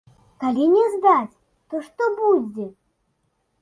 Калі не здаць, то што будзе?